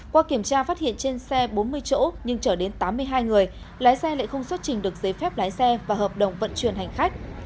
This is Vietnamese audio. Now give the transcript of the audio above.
qua kiểm tra phát hiện trên xe bốn mươi chỗ nhưng chở đến tám mươi hai người lái xe lại không xuất trình được giấy phép lái xe và hợp đồng vận chuyển hành khách